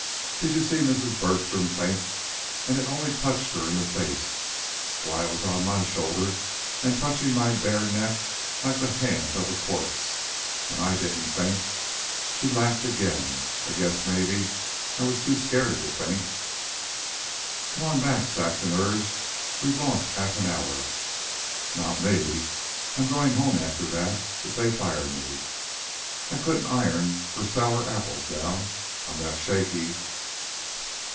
"Did you see Mrs. Bergstrom faint? And it only touched her in the face. Why, it was on my shoulder and touching my bare neck like the hand of a corpse. And I didn't faint." She laughed again. "I guess, maybe, I was too scared to faint." "Come on back," Saxon urged. "We've lost half an hour." "Not me. I'm goin' home after that, if they fire me. I couldn't iron for sour apples now, I'm that shaky."